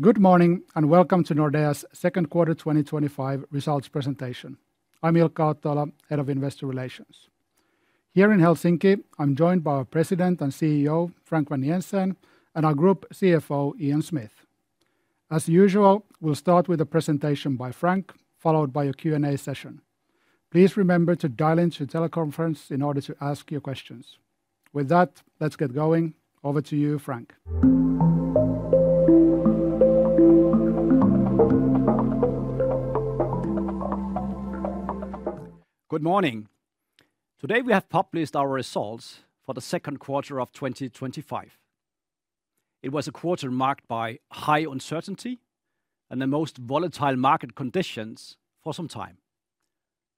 Good morning and welcome to Nordea's second quarter 2025 results presentation. I'm Ilkka Ottoila, Head of Investor Relations. Here in Helsinki, I'm joined by our President and CEO, Frank Vang-Jensen, and our Group CFO, Ian Smith. As usual, we'll start with a presentation by Frank, followed by a Q&A session. Please remember to dial into the teleconference in order to ask your questions. With that, let's get going. Over to you, Frank. Good morning. Today we have published our results for the second quarter of 2025. It was a quarter marked by high uncertainty and the most volatile market conditions for some time.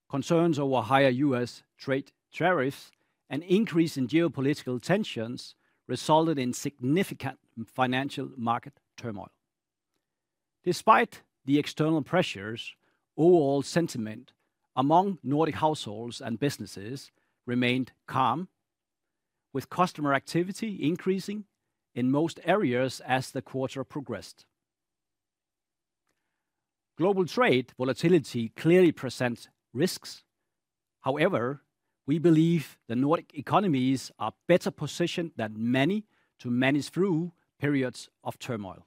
Concerns over higher U.S. trade tariffs and increase in geopolitical tensions resulted in significant financial market turmoil. Despite the external pressures, overall sentiment among Nordic households and businesses remained calm, with customer activity increasing in most areas as the quarter progressed. Global trade volatility clearly presents risks. However, we believe the Nordic economies are better positioned than many to manage through periods of turmoil.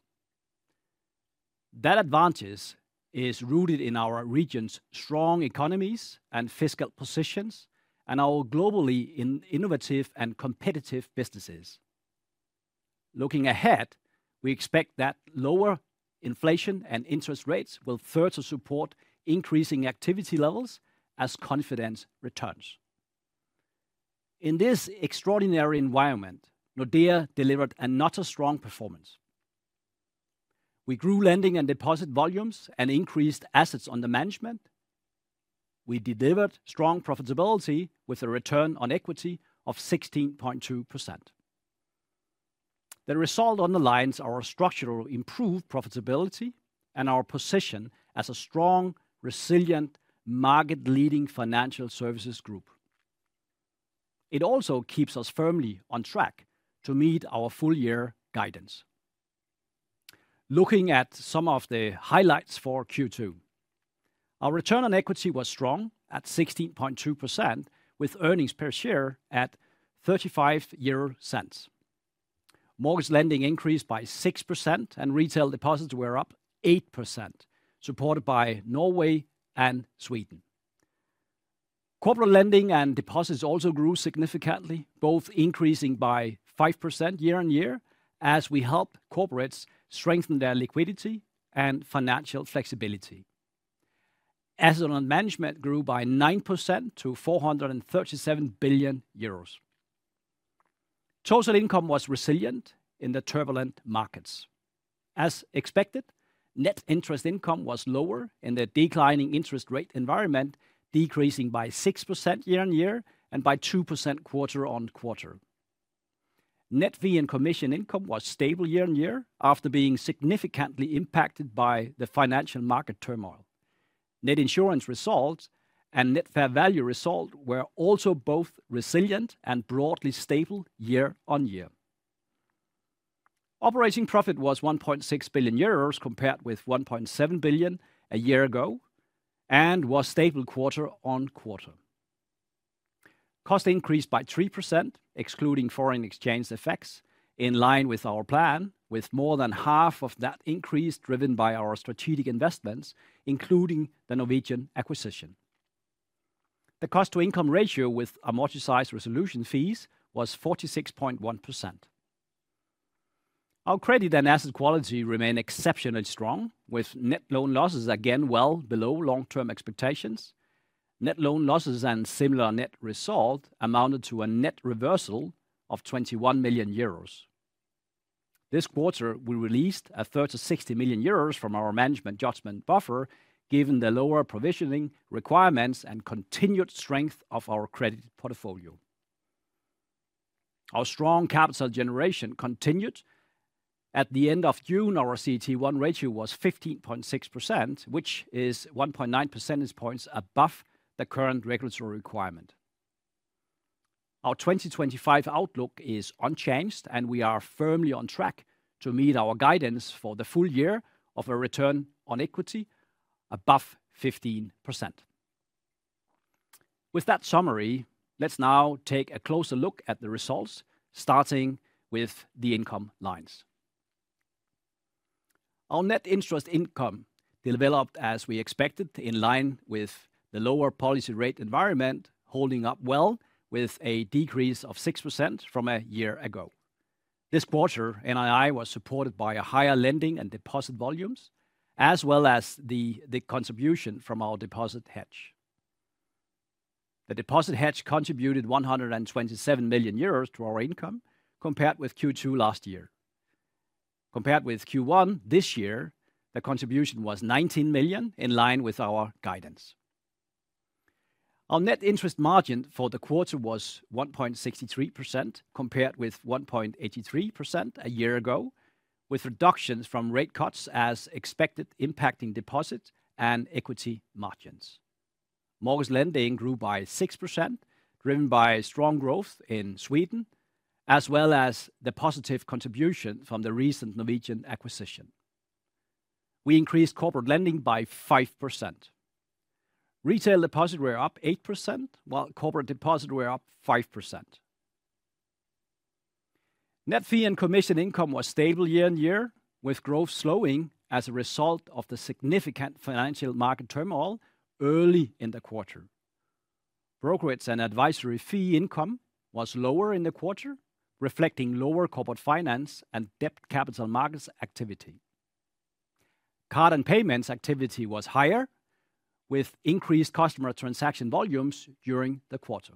That advantage is rooted in our region's strong economies and fiscal positions, and our globally innovative and competitive businesses. Looking ahead, we expect that lower inflation and interest rates will further support increasing activity levels as confidence returns. In this extraordinary environment, Nordea delivered another strong performance. We grew lending and deposit volumes and increased assets under management. We delivered strong profitability with a return on equity of 16.2%. The result underlines our structurally improved profitability and our position as a strong, resilient, market-leading financial services group. It also keeps us firmly on track to meet our full-year guidance. Looking at some of the highlights for Q2. Our return on equity was strong at 16.2%, with earnings per share at 0.35. Mortgage lending increased by 6%, and retail deposits were up 8%, supported by Norway and Sweden. Corporate lending and deposits also grew significantly, both increasing by 5% year on year as we help corporates strengthen their liquidity and financial flexibility. Asset under management grew by 9% to 437 billion euros. Total income was resilient in the turbulent markets. As expected, net interest income was lower in the declining interest rate environment, decreasing by 6% year on year and by 2% quarter on quarter. Net fee and commission income was stable year on year after being significantly impacted by the financial market turmoil. Net insurance results and net fair value result were also both resilient and broadly stable year on year. Operating profit was 1.6 billion euros compared with 1.7 billion a year ago and was stable quarter on quarter. Cost increased by 3%, excluding foreign exchange effects, in line with our plan, with more than half of that increase driven by our strategic investments, including the Norwegian acquisition. The cost-to-income ratio with amortized resolution fees was 46.1%. Our credit and asset quality remained exceptionally strong, with net loan losses again well below long-term expectations. Net loan losses and similar net result amounted to a net reversal of 21 million euros. This quarter, we released 30 million-60 million euros from our management judgment buffer, given the lower provisioning requirements and continued strength of our credit portfolio. Our strong capital generation continued. At the end of June, our CET1 ratio was 15.6%, which is 1.9 percentage points above the current regulatory requirement. Our 2025 outlook is unchanged, and we are firmly on track to meet our guidance for the full year of a return on equity above 15%. With that summary, let's now take a closer look at the results, starting with the income lines. Our net interest income developed, as we expected, in line with the lower policy rate environment, holding up well with a decrease of 6% from a year ago. This quarter, NII was supported by higher lending and deposit volumes, as well as the contribution from our deposit hedge. The deposit hedge contributed 127 million euros to our income compared with Q2 last year. Compared with Q1 this year, the contribution was 19 million, in line with our guidance. Our net interest margin for the quarter was 1.63%, compared with 1.83% a year ago, with reductions from rate cuts as expected impacting deposit and equity margins. Mortgage lending grew by 6%, driven by strong growth in Sweden, as well as the positive contribution from the recent Norwegian acquisition. We increased corporate lending by 5%. Retail deposits were up 8%, while corporate deposits were up 5%. Net fee and commission income was stable year on year, with growth slowing as a result of the significant financial market turmoil early in the quarter. Brokerage and advisory fee income was lower in the quarter, reflecting lower corporate finance and debt capital markets activity. Card and payments activity was higher, with increased customer transaction volumes during the quarter.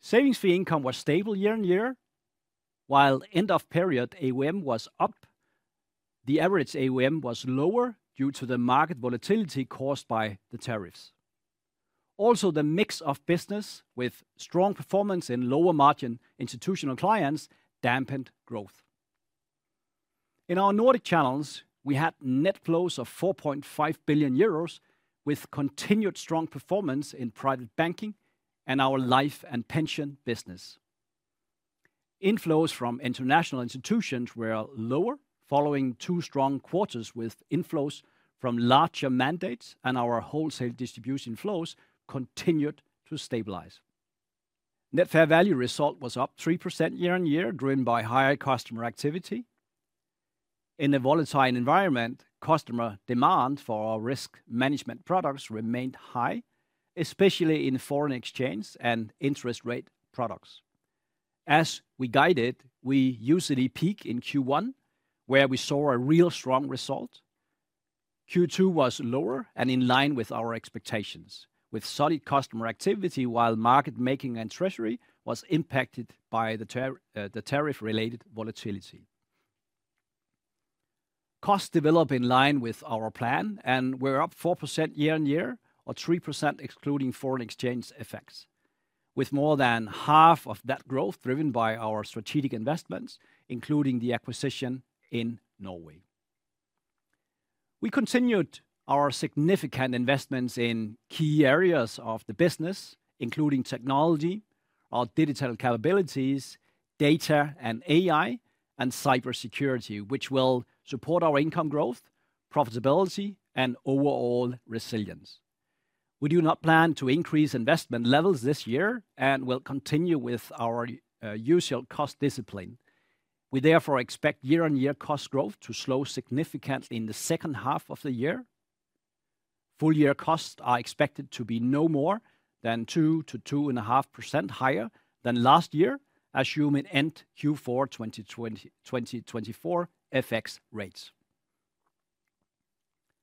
Savings fee income was stable year on year, while end-of-period AUM was up. The average AUM was lower due to the market volatility caused by the tariffs. Also, the mix of business with strong performance in lower-margin institutional clients dampened growth. In our Nordic channels, we had net flows of 4.5 billion euros, with continued strong performance in private banking and our life and pension business. Inflows from international institutions were lower, following two strong quarters with inflows from larger mandates, and our wholesale distribution flows continued to stabilize. Net fair value result was up 3% year on year, driven by higher customer activity. In the volatile environment, customer demand for our risk management products remained high, especially in foreign exchange and interest rate products. As we guided, we usually peak in Q1, where we saw a real strong result. Q2 was lower and in line with our expectations, with solid customer activity, while market making and treasury was impacted by the tariff-related volatility. Costs developed in line with our plan, and we're up 4% year on year, or 3% excluding foreign exchange effects, with more than half of that growth driven by our strategic investments, including the acquisition in Norway. We continued our significant investments in key areas of the business, including technology, our digital capabilities, data and AI, and cybersecurity, which will support our income growth, profitability, and overall resilience. We do not plan to increase investment levels this year and will continue with our usual cost discipline. We therefore expect year-on-year cost growth to slow significantly in the second half of the year. Full-year costs are expected to be no more than 2%-2.5% higher than last year, assuming end Q4 2024 FX rates.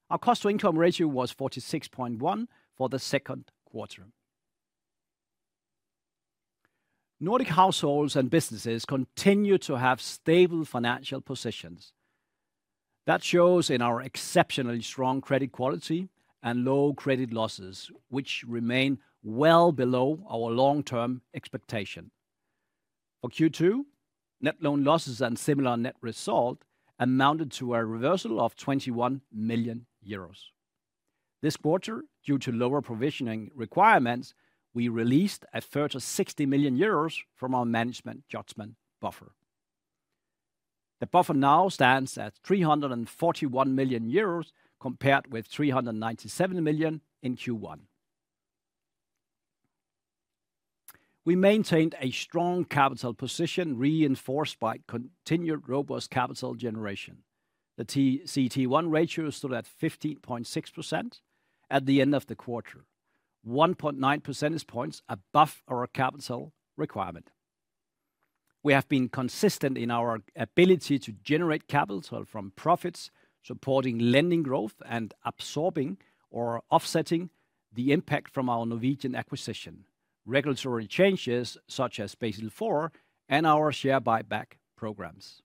Our cost-to-income ratio was 46.1% for the second quarter. Nordic households and businesses continue to have stable financial positions. That shows in our exceptionally strong credit quality and low credit losses, which remain well below our long-term expectation. For Q2, net loan losses and similar net result amounted to a reversal of 21 million euros. This quarter, due to lower provisioning requirements, we released a further 60 million euros from our management judgment buffer. The buffer now stands at 341 million euros, compared with 397 million in Q1. We maintained a strong capital position, reinforced by continued robust capital generation. The CET1 ratio stood at 15.6% at the end of the quarter, 1.9 percentage points above our capital requirement. We have been consistent in our ability to generate capital from profits, supporting lending growth and absorbing or offsetting the impact from our Norwegian acquisition, regulatory changes such as Basel IV and our share buyback programs.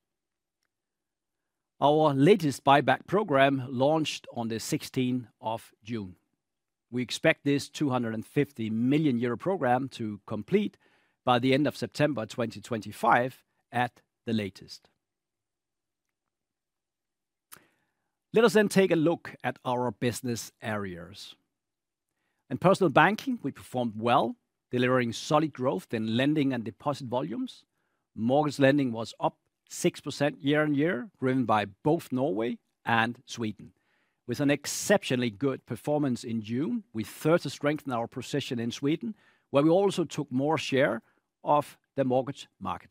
Our latest buyback program launched on the 16th of June. We expect this 250 million euro program to complete by the end of September 2025 at the latest. Let us then take a look at our business areas. In personal banking, we performed well, delivering solid growth in lending and deposit volumes. Mortgage lending was up 6% year on year, driven by both Norway and Sweden, with an exceptionally good performance in June, with further strength in our position in Sweden, where we also took more share of the mortgage market.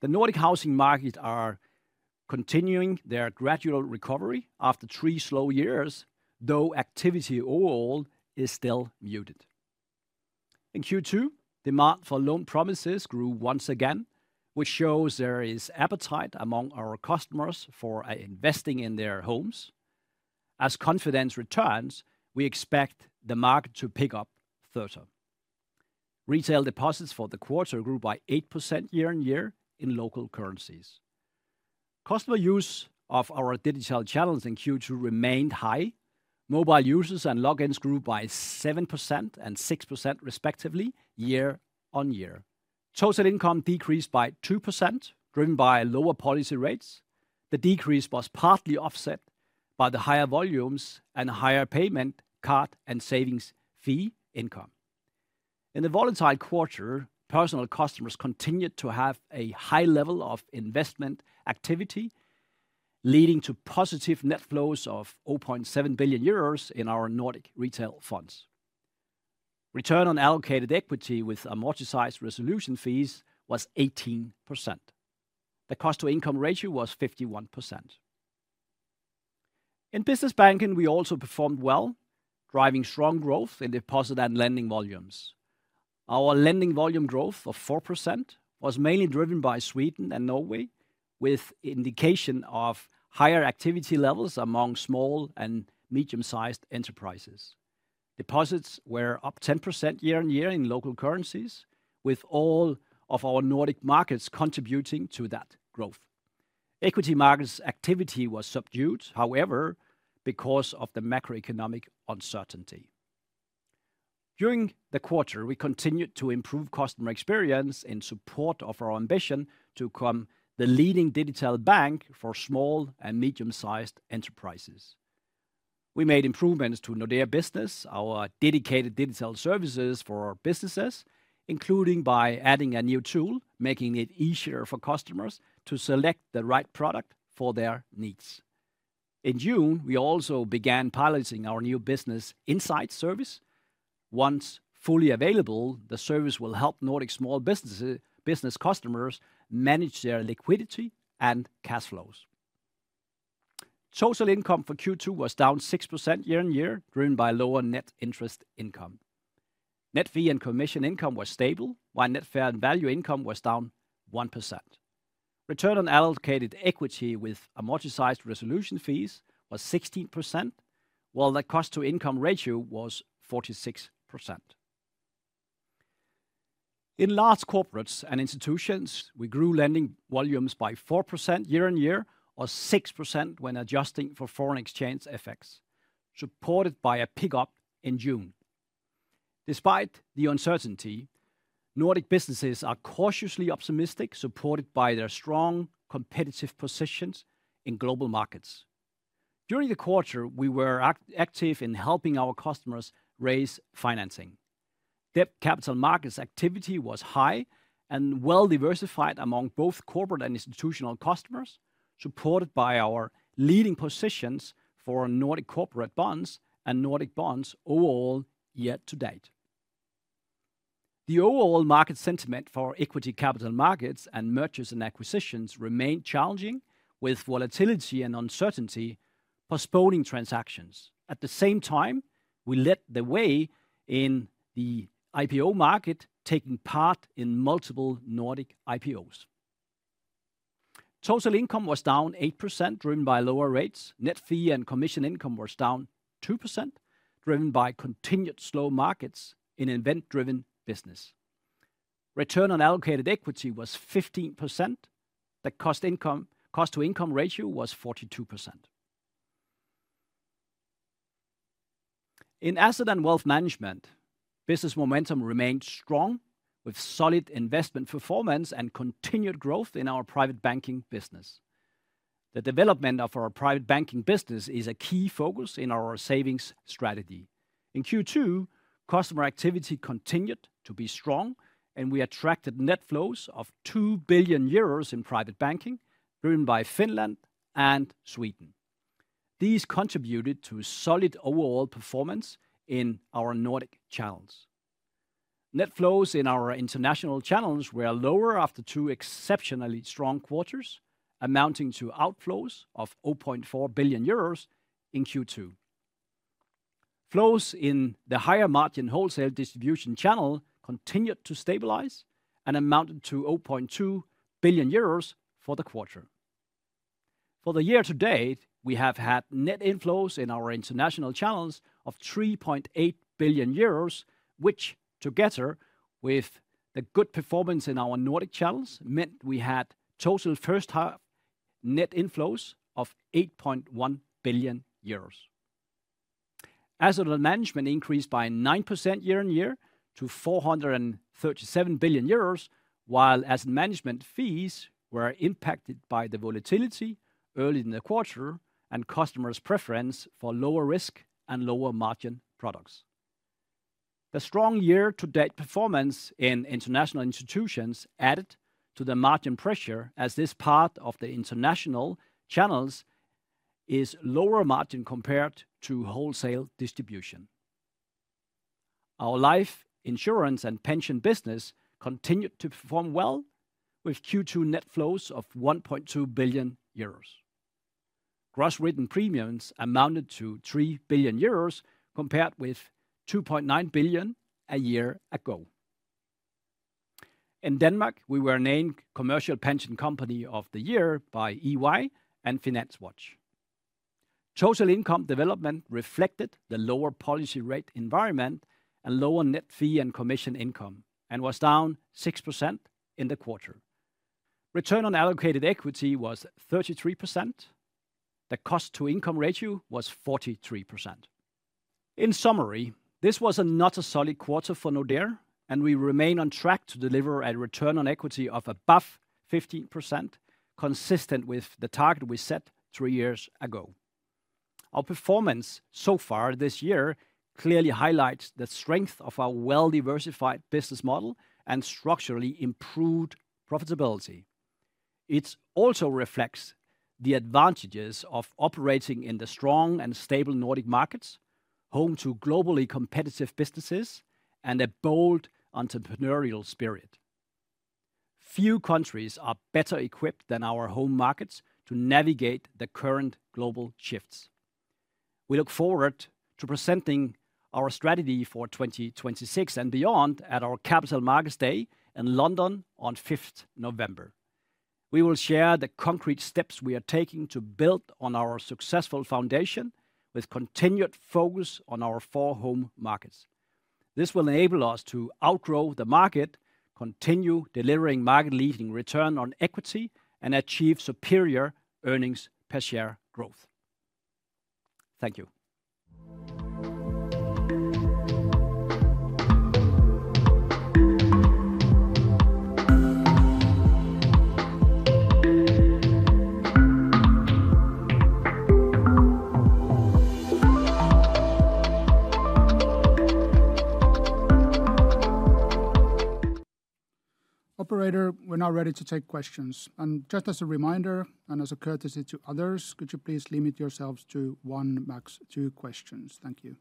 The Nordic housing markets are continuing their gradual recovery after three slow years, though activity overall is still muted. In Q2, demand for loan promises grew once again, which shows there is appetite among our customers for investing in their homes. As confidence returns, we expect the market to pick up further. Retail deposits for the quarter grew by 8% year on year in local currencies. Customer use of our digital channels in Q2 remained high. Mobile users and logins grew by 7% and 6%, respectively, year on year. Total income decreased by 2%, driven by lower policy rates. The decrease was partly offset by the higher volumes and higher payment card and savings fee income. In the volatile quarter, personal customers continued to have a high level of investment activity, leading to positive net flows of 0.7 billion euros in our Nordic retail funds. Return on allocated equity with amortized resolution fees was 18%. The cost-to-income ratio was 51%. In business banking, we also performed well, driving strong growth in deposit and lending volumes. Our lending volume growth of 4% was mainly driven by Sweden and Norway, with indication of higher activity levels among small and medium-sized enterprises. Deposits were up 10% year on year in local currencies, with all of our Nordic markets contributing to that growth. Equity markets' activity was subdued, however, because of the macroeconomic uncertainty. During the quarter, we continued to improve customer experience in support of our ambition to become the leading digital bank for small and medium-sized enterprises. We made improvements to Nordea Business, our dedicated digital services for our businesses, including by adding a new tool, making it easier for customers to select the right product for their needs. In June, we also began piloting our new business insight service. Once fully available, the service will help Nordic small business customers manage their liquidity and cash flows. Total income for Q2 was down 6% year on year, driven by lower net interest income. Net fee and commission income were stable, while net fair value income was down 1%. Return on allocated equity with amortized resolution fees was 16%, while the cost-to-income ratio was 46%. In large corporates and institutions, we grew lending volumes by 4% year on year, or 6% when adjusting for foreign exchange effects, supported by a pickup in June. Despite the uncertainty, Nordic businesses are cautiously optimistic, supported by their strong competitive positions in global markets. During the quarter, we were active in helping our customers raise financing. Debt capital markets' activity was high and well-diversified among both corporate and institutional customers, supported by our leading positions for Nordic corporate bonds and Nordic bonds overall year to date. The overall market sentiment for our equity capital markets and mergers and acquisitions remained challenging, with volatility and uncertainty postponing transactions. At the same time, we led the way in the IPO market, taking part in multiple Nordic IPOs. Total income was down 8%, driven by lower rates. Net fee and commission income was down 2%, driven by continued slow markets in event-driven business. Return on allocated equity was 15%. The cost-to-income ratio was 42%. In asset and wealth management, business momentum remained strong, with solid investment performance and continued growth in our private banking business. The development of our private banking business is a key focus in our savings strategy. In Q2, customer activity continued to be strong, and we attracted net flows of 2 billion euros in private banking, driven by Finland and Sweden. These contributed to solid overall performance in our Nordic channels. Net flows in our international channels were lower after two exceptionally strong quarters, amounting to outflows of 0.4 billion euros in Q2. Flows in the higher-margin wholesale distribution channel continued to stabilize and amounted to 0.2 billion euros for the quarter. For the year to date, we have had net inflows in our international channels of 3.8 billion euros, which, together with the good performance in our Nordic channels, meant we had total first-half net inflows of 8.1 billion. Assets under management increased by 9% year on year to 437 billion euros, while asset management fees were impacted by the volatility early in the quarter and customers' preference for lower risk and lower-margin products. The strong year-to-date performance in international institutions added to the margin pressure, as this part of the international channels is lower-margin compared to wholesale distribution. Our life, insurance, and pension business continued to perform well, with Q2 net flows of 1.2 billion euros. Gross written premiums amounted to 3 billion euros, compared with 2.9 billion a year ago. In Denmark, we were named Commercial Pension Company of the Year by EY and Finance Watch. Total income development reflected the lower policy rate environment and lower net fee and commission income, and was down 6% in the quarter. Return on allocated equity was 33%. The cost-to-income ratio was 43%. In summary, this was not a solid quarter for Nordea, and we remain on track to deliver a return on equity of above 15%, consistent with the target we set three years ago. Our performance so far this year clearly highlights the strength of our well-diversified business model and structurally improved profitability. It also reflects the advantages of operating in the strong and stable Nordic markets, home to globally competitive businesses, and a bold entrepreneurial spirit. Few countries are better equipped than our home markets to navigate the current global shifts. We look forward to presenting our strategy for 2026 and beyond at our Capital Markets Day in London on 5th November. We will share the concrete steps we are taking to build on our successful foundation, with continued focus on our four home markets. This will enable us to outgrow the market, continue delivering market-leading return on equity, and achieve superior earnings per share growth. Thank you. Operator, we're now ready to take questions. And just as a reminder and as a courtesy to others, could you please limit yourselves to one max two questions? Thank you.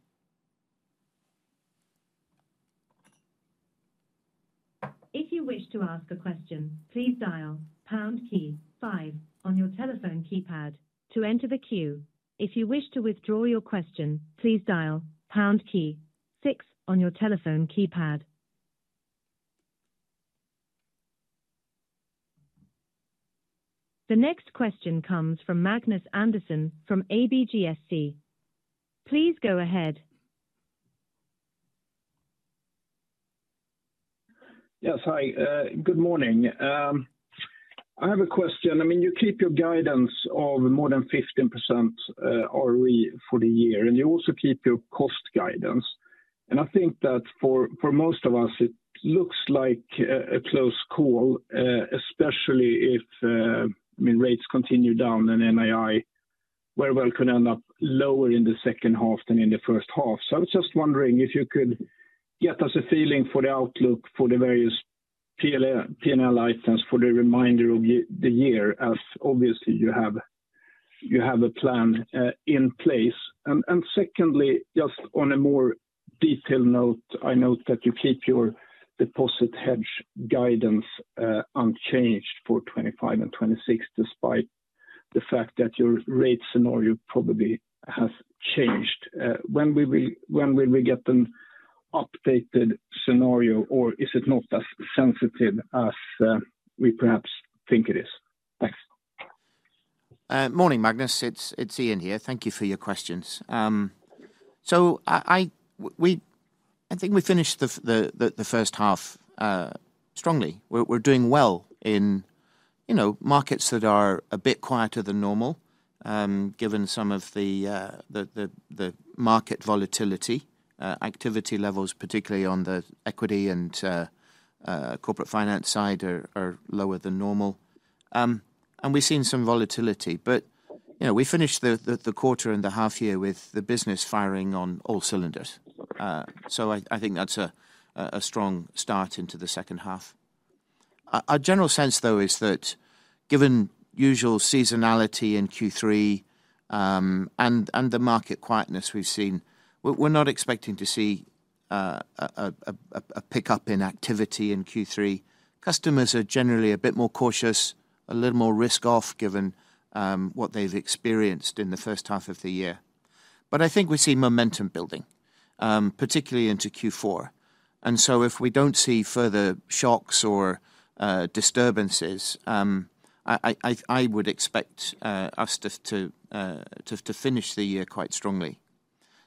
If you wish to ask a question, please dial pound key five on your telephone keypad to enter the queue. If you wish to withdraw your question, please dial pound key six on your telephone keypad. The next question comes from Magnus Anderrson from ABG SC. Please go ahead. Yes, hi. Good morning. I have a question. I mean, you keep your guidance of more than 15% ROE for the year, and you also keep your cost guidance. And I think that for most of us, it looks like a close call, especially if rates continue down, and NII very well could end up lower in the second half than in the first half. So I was just wondering if you could get us a feeling for the outlook for the various P&L items for the remainder of the year, as obviously you have a plan in place. And secondly, just on a more detailed note, I note that you keep your deposit hedge guidance unchanged for 2025 and 2026, despite the fact that your rate scenario probably has changed. When will we get an updated scenario, or is it not as sensitive as we perhaps think it is? Thanks. Morning, Magnus. It's Ian here. Thank you for your questions. So. I think we finished the first half strongly. We're doing well in markets that are a bit quieter than normal, given some of the market volatility. Activity levels, particularly on the equity and corporate finance side, are lower than normal. And we've seen some volatility. But we finished the quarter and the half year with the business firing on all cylinders. So I think that's a strong start into the second half. Our general sense, though, is that given usual seasonality in Q3. And the market quietness we've seen, we're not expecting to see a pickup in activity in Q3. Customers are generally a bit more cautious, a little more risk-off, given what they've experienced in the first half of the year. But I think we see momentum building, particularly into Q4. And so if we don't see further shocks or disturbances. I would expect us to finish the year quite strongly.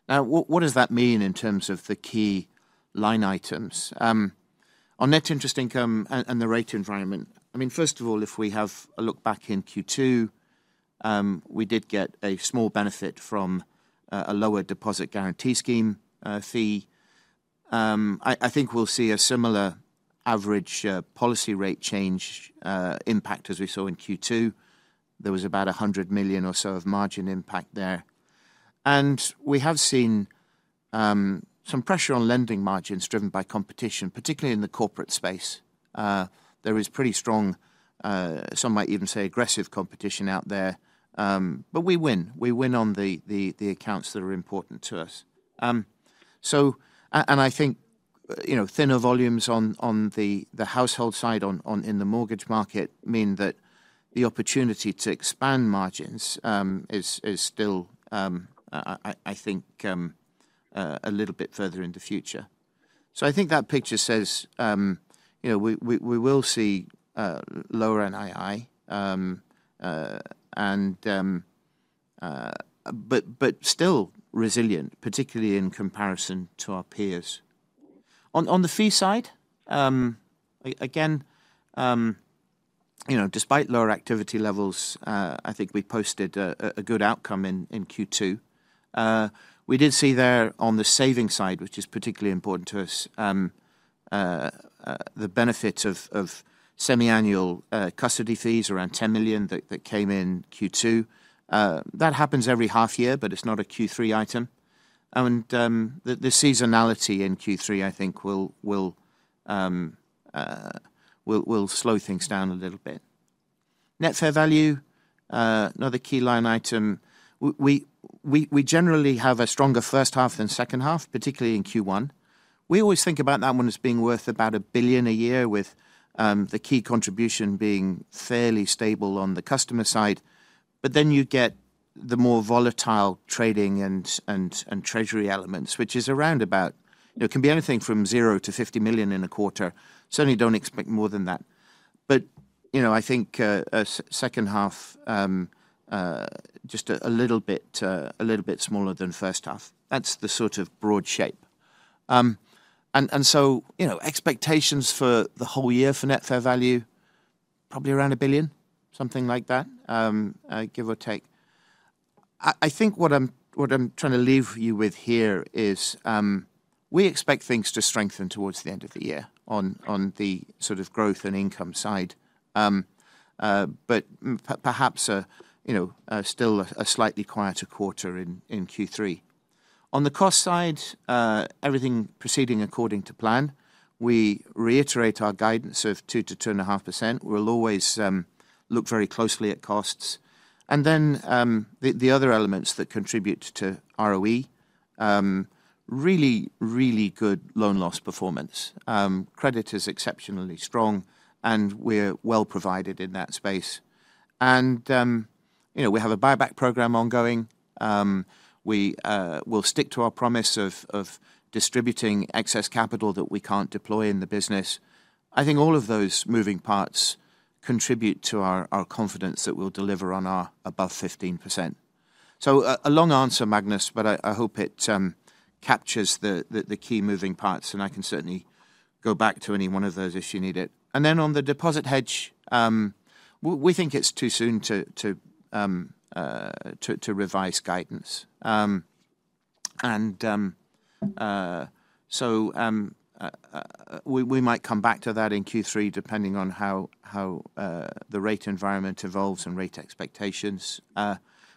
Now, what does that mean in terms of the key line items? On net interest income and the rate environment, I mean, first of all, if we have a look back in Q2. We did get a small benefit from a lower deposit guarantee scheme fee. I think we'll see a similar average policy rate change impact as we saw in Q2. There was about 100 million or so of margin impact there. And we have seen. Some pressure on lending margins driven by competition, particularly in the corporate space. There is pretty strong. Some might even say aggressive competition out there. But we win. We win on the accounts that are important to us. And I think. Thinner volumes on the household side in the mortgage market mean that the opportunity to expand margins is still I think a little bit further in the future. So I think that picture says we will see lower NII. But still resilient, particularly in comparison to our peers. On the fee side. Again. Despite lower activity levels, I think we posted a good outcome in Q2. We did see there on the savings side, which is particularly important to us. The benefits of semi-annual custody fees, around 10 million that came in Q2. That happens every half year, but it's not a Q3 item. And the seasonality in Q3, I think, will slow things down a little bit. Net fair value, another key line item. We generally have a stronger first half than second half, particularly in Q1. We always think about that one as being worth about 1 billion a year, with the key contribution being fairly stable on the customer side. But then you get the more volatile trading and treasury elements, which is around about. It can be anything from 0 to 50 million in a quarter. Certainly don't expect more than that. But I think second half just a little bit smaller than first half. That's the sort of broad shape. And so expectations for the whole year for net fair value probably around 1 billion, something like that. Give or take. I think what I'm trying to leave you with here is we expect things to strengthen towards the end of the year on the sort of growth and income side. But perhaps still a slightly quieter quarter in Q3. On the cost side, everything proceeding according to plan. We reiterate our guidance of 2%-2.5%. We'll always look very closely at costs. And then the other elements that contribute to ROE. Really, really good loan loss performance. Credit is exceptionally strong, and we're well provided in that space. And we have a buyback program ongoing. We will stick to our promise of distributing excess capital that we can't deploy in the business. I think all of those moving parts contribute to our confidence that we'll deliver on our above 15%. So a long answer, Magnus, but I hope it captures the key moving parts, and I can certainly go back to any one of those if you need it. And then on the deposit hedge. We think it's too soon to revise guidance. And so we might come back to that in Q3, depending on how the rate environment evolves and rate expectations.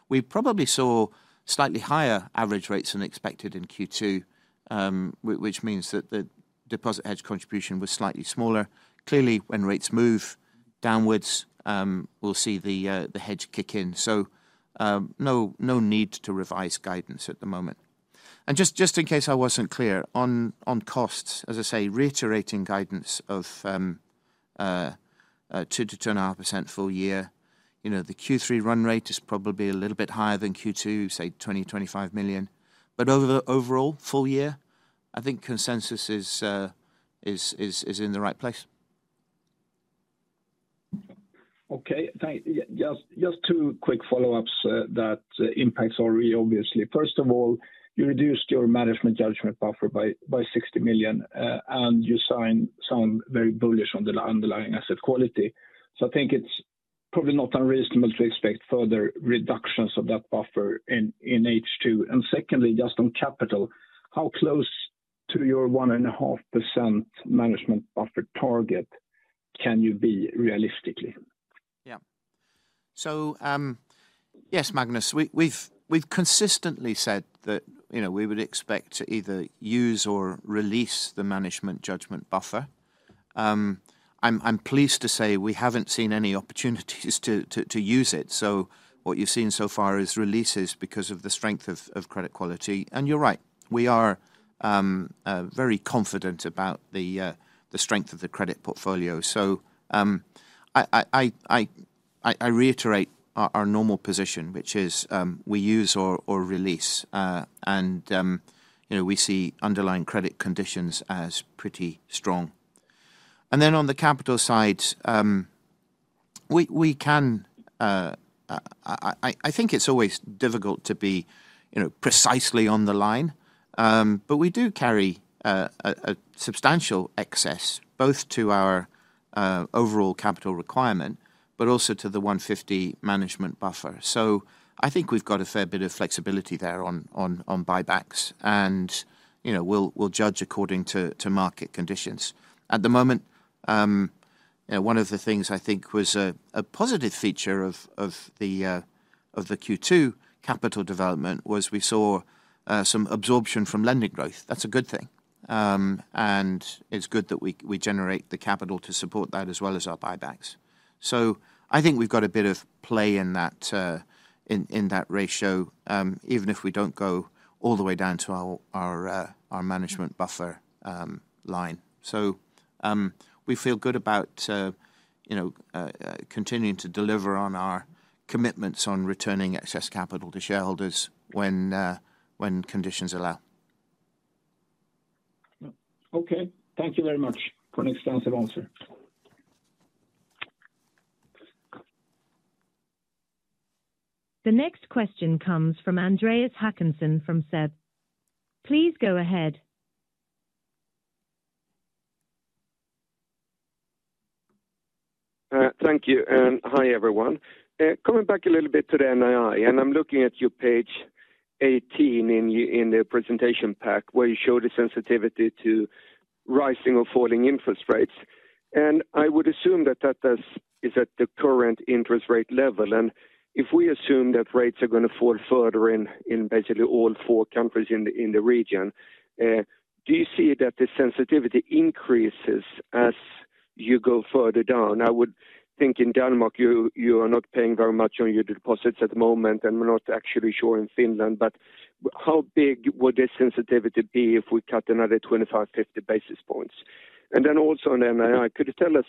We probably saw slightly higher average rates than expected in Q2. Which means that the deposit hedge contribution was slightly smaller. Clearly, when rates move downwards, we'll see the hedge kick in. So no need to revise guidance at the moment. And just in case I wasn't clear on costs, as I say, reiterating guidance of 2%-2.5% full year. The Q3 run rate is probably a little bit higher than Q2, say 20-25 million. But overall, full year, I think consensus is in the right place. Okay. Just two quick follow-ups that impact ROE, obviously. First of all, you reduced your management judgment buffer by 60 million, and you sound very bullish on the underlying asset quality. So I think it's probably not unreasonable to expect further reductions of that buffer in H2. And secondly, just on capital, how close to your 1.5% management buffer target can you be realistically? Yeah. So yes, Magnus, we've consistently said that we would expect to either use or release the management judgment buffer. I'm pleased to say we haven't seen any opportunities to use it. So what you've seen so far is releases because of the strength of credit quality. And you're right. We are very confident about the strength of the credit portfolio. So I reiterate our normal position, which is we use or release. And we see underlying credit conditions as pretty strong. And then on the capital side. We can. I think it's always difficult to be precisely on the line, but we do carry a substantial excess, both to our overall capital requirement but also to the 1.5% management buffer. So I think we've got a fair bit of flexibility there on buybacks. And we'll judge according to market conditions at the moment. One of the things I think was a positive feature of the Q2 capital development was we saw some absorption from lending growth. That's a good thing. And it's good that we generate the capital to support that as well as our buybacks. So I think we've got a bit of play in that ratio, even if we don't go all the way down to our management buffer line. So we feel good about continuing to deliver on our commitments on returning excess capital to shareholders when conditions allow. Okay. Thank you very much for an extensive answer. The next question comes from Andreas Håkansson from SEB. Please go ahead. Thank you. And hi, everyone. Coming back a little bit to the NII, and I'm looking at your page 18 in the presentation pack where you showed the sensitivity to rising or falling interest rates. And I would assume that that is at the current interest rate level. And if we assume that rates are going to fall further in basically all four countries in the region. Do you see that the sensitivity increases as you go further down? I would think in Denmark, you are not paying very much on your deposits at the moment, and we're not actually sure in Finland. But how big would this sensitivity be if we cut another 25, 50 basis points? And then also in NII, could you tell us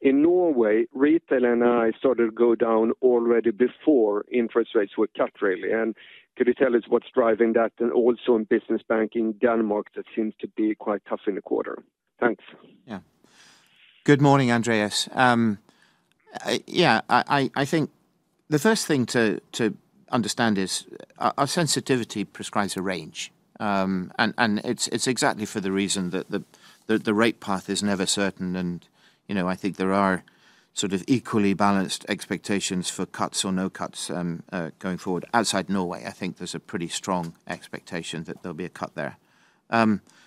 in Norway, retail NII started to go down already before interest rates were cut, really? And could you tell us what's driving that, and also in business banking Denmark, that seems to be quite tough in the quarter? Thanks. Yeah. Good morning, Andreas. Yeah, I think the first thing to understand is our sensitivity prescribes a range. And it's exactly for the reason that the rate path is never certain. And I think there are sort of equally balanced expectations for cuts or no cuts going forward. Outside Norway, I think there's a pretty strong expectation that there'll be a cut there.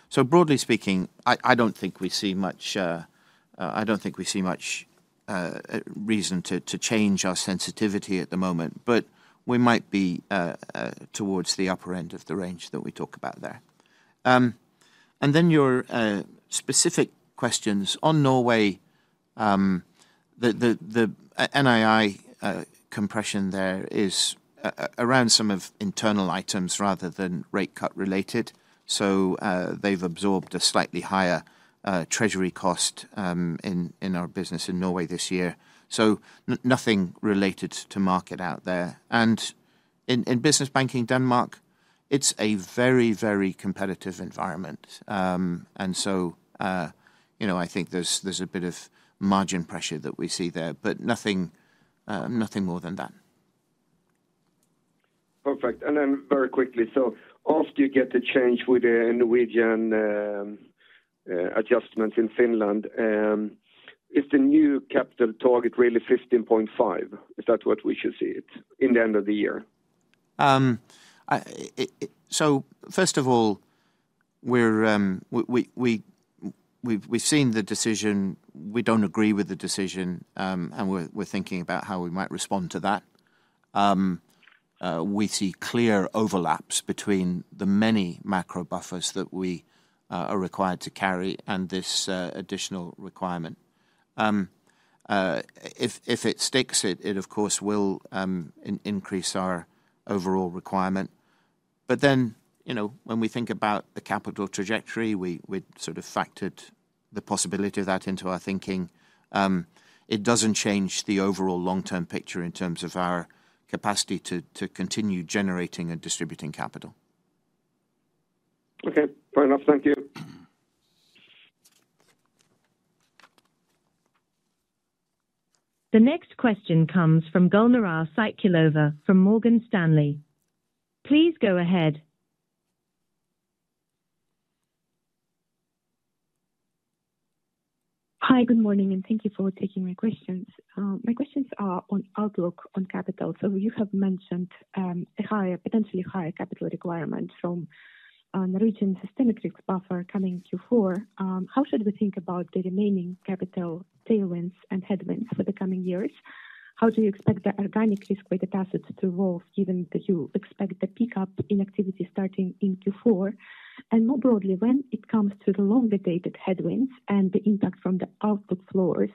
So broadly speaking, I don't think we see much reason to change our sensitivity at the moment, but we might be towards the upper end of the range that we talk about there. And then your specific questions on Norway. The NII compression there is around some internal items rather than rate cut related. So they've absorbed a slightly higher treasury cost in our business in Norway this year. So nothing related to market out there. And in business banking Denmark, it's a very, very competitive environment. And so. I think there's a bit of margin pressure that we see there, but nothing more than that. Perfect. And then very quickly, so after you get the change with the Norwegian adjustment in Finland. Is the new capital target really 15.5? Is that what we should see in the end of the year? So first of all. We've seen the decision. We don't agree with the decision, and we're thinking about how we might respond to that. We see clear overlaps between the many macro buffers that we are required to carry and this additional requirement. If it sticks, it, of course, will increase our overall requirement. But then when we think about the capital trajectory, we've sort of factored the possibility of that into our thinking. It doesn't change the overall long-term picture in terms of our capacity to continue generating and distributing capital. Okay. Fair enough. Thank you. The next question comes from Gulnara Saitkulova from Morgan Stanley. Please go ahead. Hi, good morning, and thank you for taking my questions. My questions are on outlook on capital. So you have mentioned a potentially higher capital requirement from the recent systemic risk buffer coming Q4. How should we think about the remaining capital tailwinds and headwinds for the coming years? How do you expect the organic risk-weighted assets to evolve given that you expect the pick-up in activity starting in Q4? And more broadly, when it comes to the longer-dated headwinds and the impact from the output floors,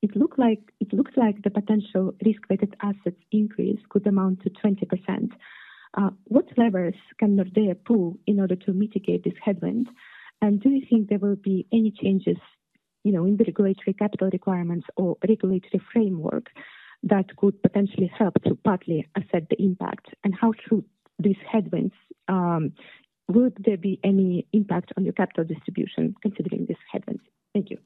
it looks like the potential risk-weighted assets increase could amount to 20%. What levers can Nordea pull in order to mitigate this headwind? And do you think there will be any changes in the regulatory capital requirements or regulatory framework that could potentially help to partly offset the impact? And how acute these headwinds. Would there be any impact on your capital distribution considering this headwind? Thank you.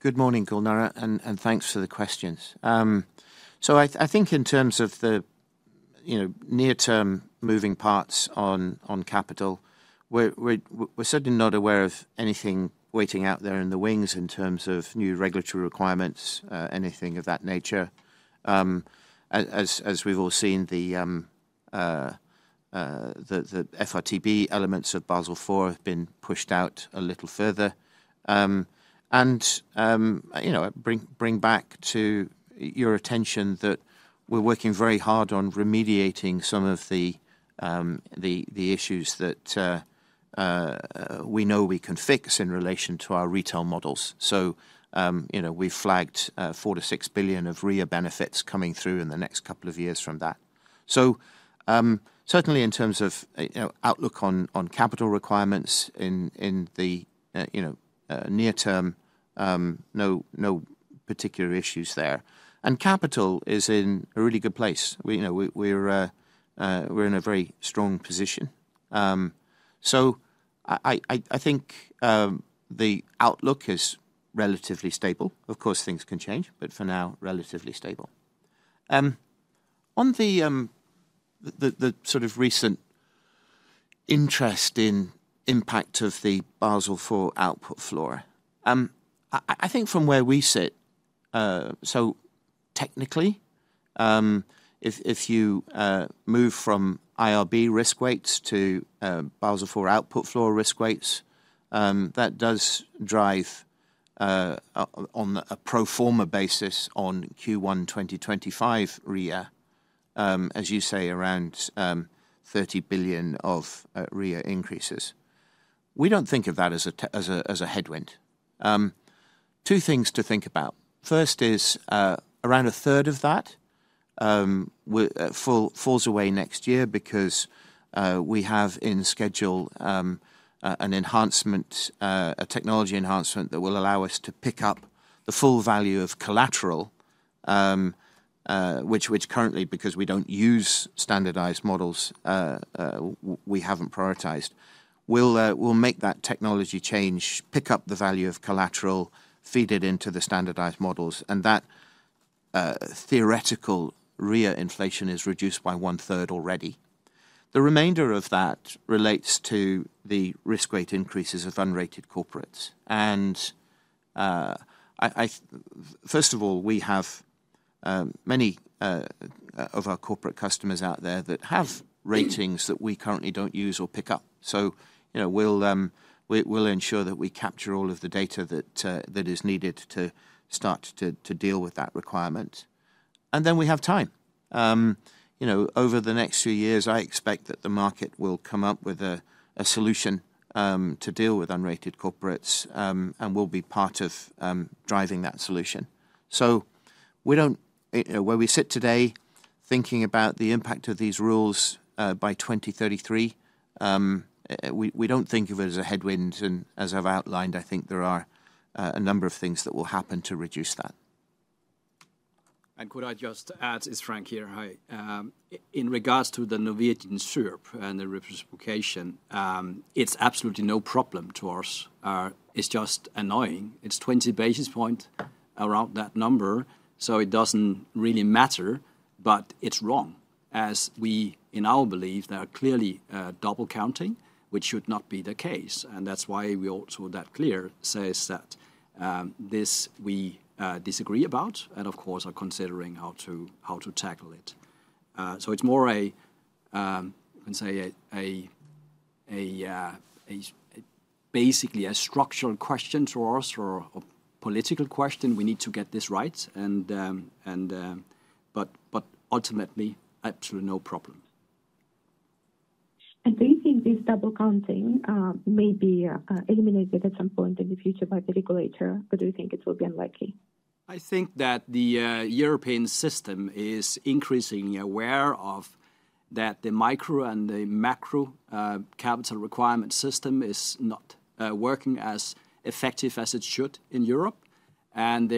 Good morning, Gulnara, and thanks for the questions. So I think in terms of the near-term moving parts on capital, we're certainly not aware of anything waiting out there in the wings in terms of new regulatory requirements, anything of that nature. As we've all seen the FRTB elements of Basel IV have been pushed out a little further. And bring back to your attention that we're working very hard on remediating some of the issues that we know we can fix in relation to our retail models. So we've flagged 4-6 billion of RWA benefits coming through in the next couple of years from that. So certainly in terms of outlook on capital requirements in the near-term no particular issues there. And capital is in a really good place. We're in a very strong position. So I think the outlook is relatively stable. Of course, things can change, but for now, relatively stable. On the sort of recent interest in impact of the Basel IV output floor. I think from where we sit, so technically, if you move from IRB risk weights to Basel IV output floor risk weights, that does drive. On a pro forma basis on Q1 2025 RWA, as you say, around 30 billion of RWA increases. We don't think of that as a headwind. Two things to think about. First is around 1/3 of that falls away next year because we have in schedule a technology enhancement that will allow us to pick up the full value of collateral. Which currently, because we don't use standardized models, we haven't prioritized, will make that technology change, pick up the value of collateral, feed it into the standardized models, and that theoretical RWA inflation is reduced by one-third already. The remainder of that relates to the risk weight increases of unrated corporates. And first of all, we have many of our corporate customers out there that have ratings that we currently don't use or pick up. So we'll ensure that we capture all of the data that is needed to start to deal with that requirement. And then we have time over the next few years. I expect that the market will come up with a solution to deal with unrated corporates and will be part of driving that solution. So where we sit today, thinking about the impact of these rules by 2033, we don't think of it as a headwind. And as I've outlined, I think there are a number of things that will happen to reduce that. And could I just add, it's Frank here. In regards to the Norwegian SyRB and the reversification, it's absolutely no problem to us. It's just annoying. It's 20 basis points around that number, so it doesn't really matter, but it's wrong. As we, in our belief, there are clearly double counting, which should not be the case. And that's why we also, that clear, says that this we disagree about and, of course, are considering how to tackle it. So it's more a basically a structural question to us or a political question. We need to get this right. But ultimately, absolutely no problem. Do you think this double counting may be eliminated at some point in the future by the regulator, or do you think it will be unlikely? I think that the European system is increasingly aware of that the micro and the macro capital requirement system is not working as effective as it should in Europe. And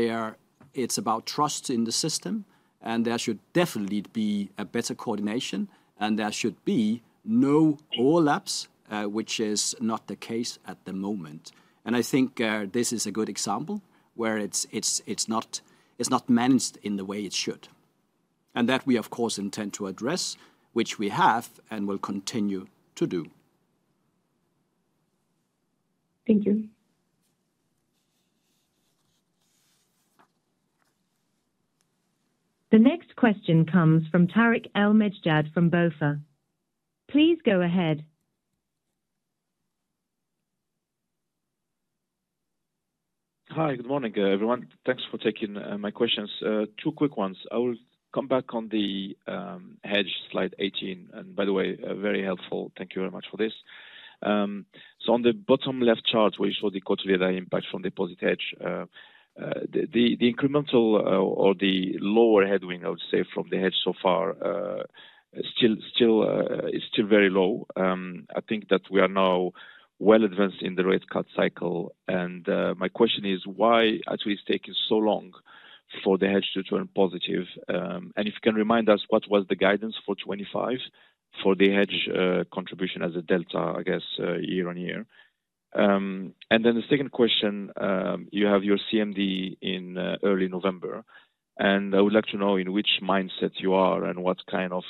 it's about trust in the system, and there should definitely be a better coordination, and there should be no overlaps, which is not the case at the moment. And I think this is a good example where it's not managed in the way it should. And that we, of course, intend to address, which we have and will continue to do. Thank you. The next question comes from Tarik El Mejjad from BofA. Please go ahead. Hi, good morning, everyone. Thanks for taking my questions. Two quick ones. I will come back on the hedge slide 18. And by the way, very helpful. Thank you very much for this. So on the bottom left chart, we show the quarterly impact from deposit hedge. The incremental or the lower headwind, I would say, from the hedge so far is still very low. I think that we are now well advanced in the rate cut cycle. And my question is, why is it taking so long for the hedge to turn positive? And if you can remind us, what was the guidance for 2025 for the hedge contribution as a delta, I guess, year on year? And then the second question, you have your CMD in early November. And I would like to know in which mindset you are and what kind of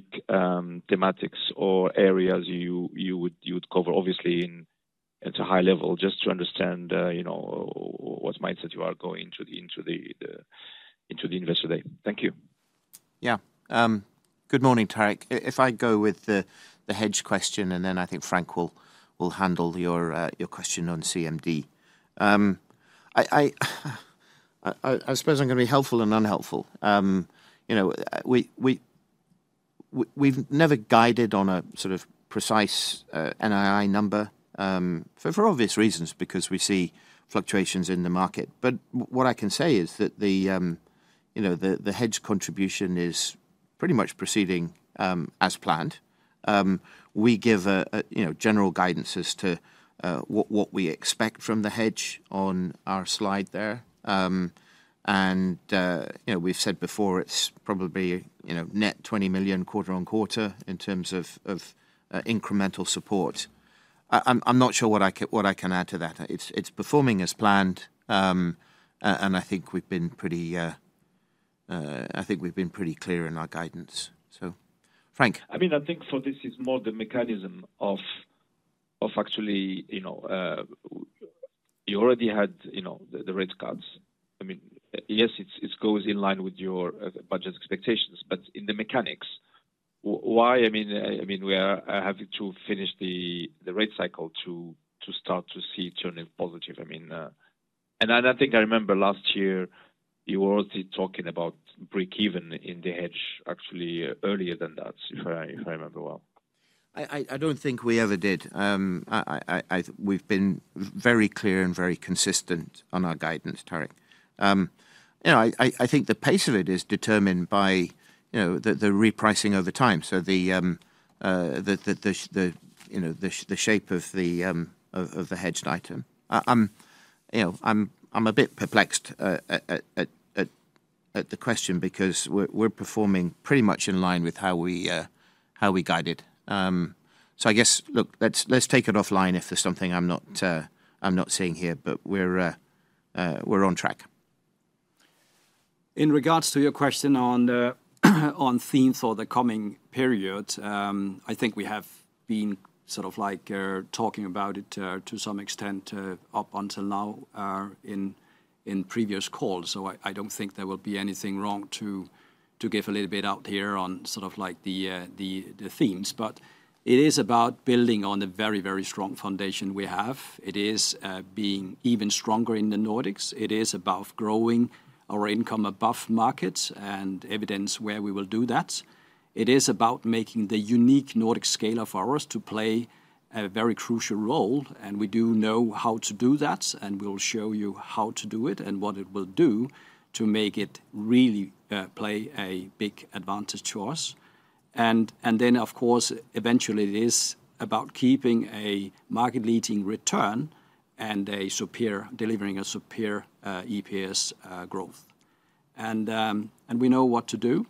big thematics or areas you would cover, obviously, at a high level, just to understand what mindset you are going into the investor day. Thank you. Yeah. Good morning, Tarik. If I go with the hedge question, and then I think Frank will handle your question on CMD. I suppose I'm going to be helpful and unhelpful. We've never guided on a sort of precise NII number for obvious reasons, because we see fluctuations in the market. But what I can say is that the hedge contribution is pretty much proceeding as planned. We give general guidances to what we expect from the hedge on our slide there. And we've said before, it's probably net 20 million quarter on quarter in terms of incremental support. I'm not sure what I can add to that. It's performing as planned. And I think we've been pretty clear in our guidance. So, Frank. I mean, I think this is more the mechanism of actually. You already had the rate cuts. I mean, yes, it goes in line with your budget expectations, but in the mechanics why? I mean, we are having to finish the rate cycle to start to see turning positive. I mean, and I think I remember last year you were already talking about break-even in the hedge actually earlier than that, if I remember well. I don't think we ever did. We've been very clear and very consistent on our guidance, Tarik. I think the pace of it is determined by the repricing over time, so the shape of the hedged item. I'm a bit perplexed at the question because we're performing pretty much in line with how we guided. So I guess, look, let's take it offline if there's something I'm not seeing here, but we're on track. In regards to your question on themes or the coming period, I think we have been sort of talking about it to some extent up until now in previous calls. So I don't think there will be anything wrong to give a little bit out here on sort of the themes. But it is about building on the very, very strong foundation we have. It is being even stronger in the Nordics. It is about growing our income above markets and evidence where we will do that. It is about making the unique Nordic scale of ours to play a very crucial role. And we do know how to do that, and we'll show you how to do it and what it will do to make it really play a big advantage to us. And then, of course, eventually, it is about keeping a market-leading return and delivering a superior EPS growth. And we know what to do.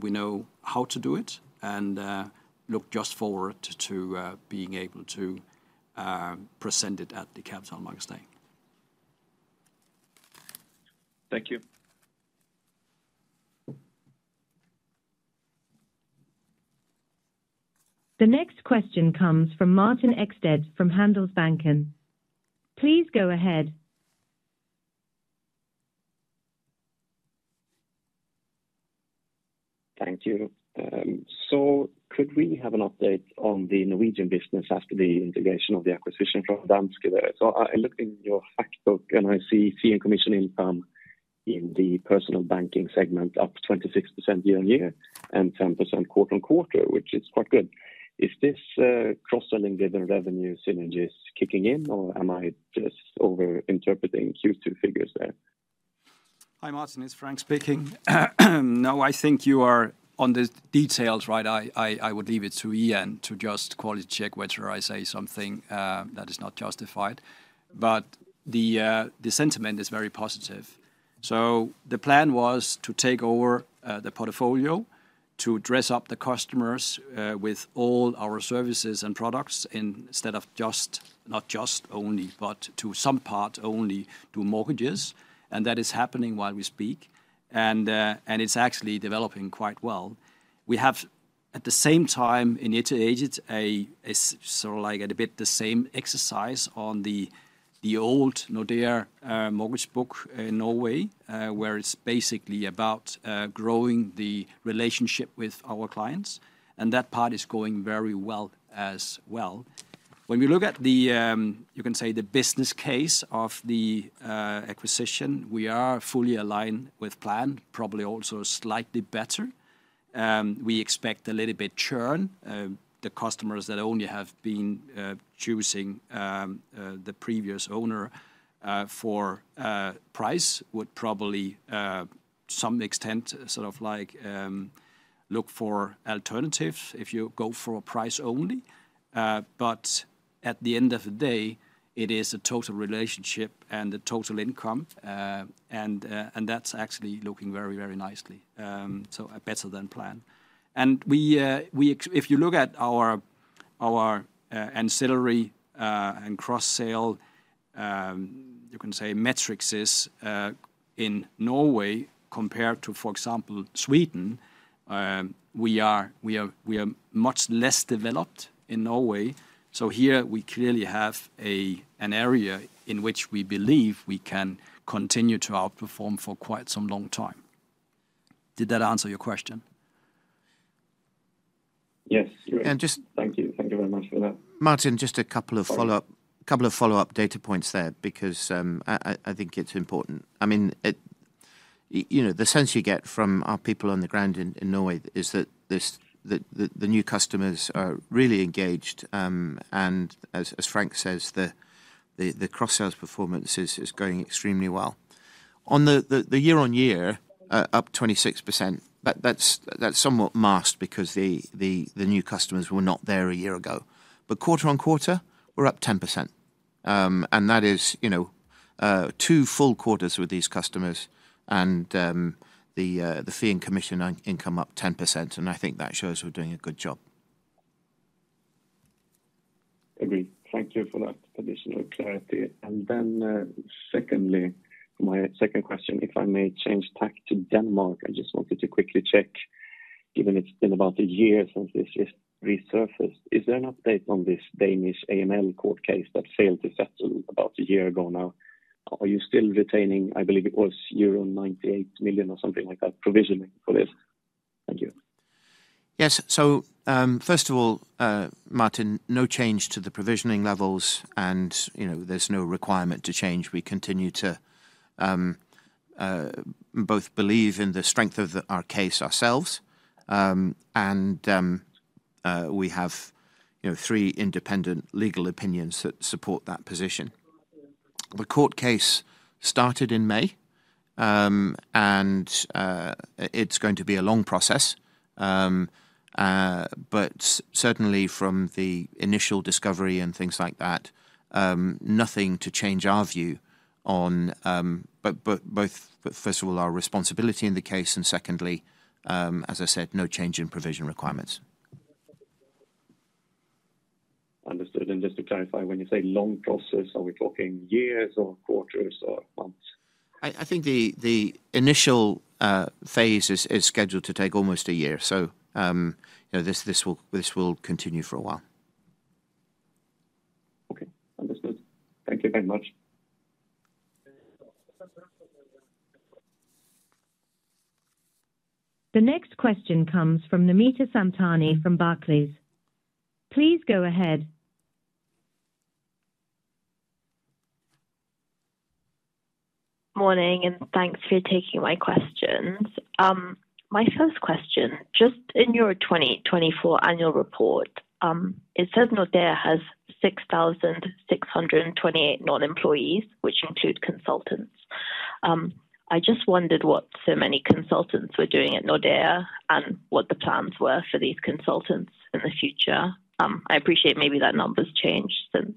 We know how to do it and look just forward to being able to present it at the Capital Markets Day. Thank you. The next question comes from Martin Ekstedt from Handelsbanken. Please go ahead. Thank you. So could we have an update on the Norwegian business after the integration of the acquisition from Danske? So I looked in your fact book, and I see commission income in the personal banking segment up 26% year on year and 10% quarter on quarter, which is quite good. Is this cross-selling-driven revenue synergies kicking in, or am I just over-interpreting Q2 figures there? Hi, Martin. It's Frank speaking. No, I think you are on the details right. I would leave it to Ian to just quality check whether I say something that is not justified. But the sentiment is very positive. So the plan was to take over the portfolio, to dress up the customers with all our services and products instead of not just only, but to some part only do mortgages. And that is happening while we speak. And it's actually developing quite well. We have, at the same time, initiated sort of a bit the same exercise on the old Nordea mortgage book in Norway, where it's basically about growing the relationship with our clients. And that part is going very well as well. When we look at the, you can say, the business case of the acquisition, we are fully aligned with plan, probably also slightly better. We expect a little bit churn. The customers that only have been choosing the previous owner for price would probably, to some extent, sort of look for alternatives if you go for price only. But at the end of the day, it is a total relationship and a total income. And that's actually looking very, very nicely. So better than plan. And if you look at our ancillary and cross-sale you can say, metrics in Norway compared to, for example, Sweden. We are much less developed in Norway. So here, we clearly have an area in which we believe we can continue to outperform for quite some long time. Did that answer your question? Yes. Thank you. Thank you very much for that. Martin, just a couple of follow-up data points there because I think it's important. I mean. The sense you get from our people on the ground in Norway is that the new customers are really engaged. And as Frank says, the cross-sales performance is going extremely well. On the year-on-year, up 26%. That's somewhat masked because the new customers were not there a year ago. But quarter on quarter, we're up 10%. And that is two full quarters with these customers and the fee and commission income up 10%. And I think that shows we're doing a good job. Agreed. Thank you for that additional clarity. And then secondly, my second question, if I may change tack to Denmark, I just wanted to quickly check, given it's been about a year since this resurfaced, is there an update on this Danish AML court case that failed to settle about a year ago now? Are you still retaining, I believe it was euro 98 million or something like that, provisioning for this? Thank you. Yes. So first of all, Martin, no change to the provisioning levels, and there's no requirement to change. We continue to both believe in the strength of our case ourselves. And we have three independent legal opinions that support that position. The court case started in May. And it's going to be a long process. But certainly, from the initial discovery and things like that, nothing to change our view on first of all, our responsibility in the case. And secondly, as I said, no change in provision requirements. Understood. And just to clarify, when you say long process, are we talking years or quarters or months? I think the initial phase is scheduled to take almost a year. So this will continue for a while. Okay. Understood. Thank you very much. The next question comes from Namita Samtani from Barclays. Please go ahead. Morning, and thanks for taking my questions. My first question, just in your 2024 annual report, it says Nordea has 6,628 non-employees, which include consultants. I just wondered what so many consultants were doing at Nordea and what the plans were for these consultants in the future. I appreciate maybe that number's changed since